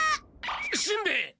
しんべヱ！